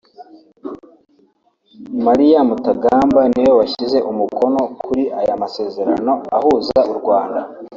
Maria Mutagamba ni we washyize umukono kuri aya masezerano ahuza u Rwanda